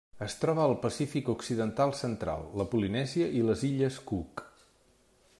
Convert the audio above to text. Es troba al Pacífic occidental central: la Polinèsia i les illes Cook.